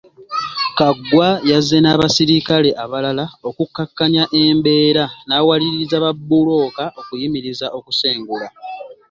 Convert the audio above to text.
Kaggwa yazze n’abaserikale abalala okukakkanya embeera n’awaliriza babbulooka okuyimiriza okusengula